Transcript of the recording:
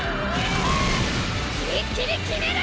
一気に決める！